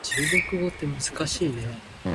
做媒人無包生囝